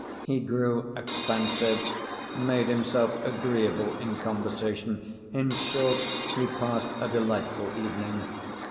He grew expansive, made himself agreeable in conversation, in short, he passed a delightful evening.